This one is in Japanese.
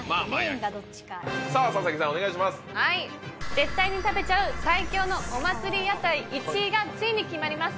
絶対に食べちゃう最強のお祭り屋台１位がついに決まります！